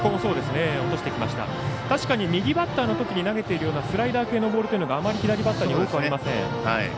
確かに右バッターのときに投げているようなスライダー系のボールというのがあまり左バッターに多くありません。